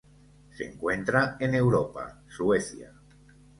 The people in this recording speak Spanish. Se encuentra en Europa: Suecia.